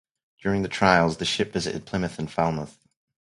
During the trials the ship visited Plymouth and Falmouth.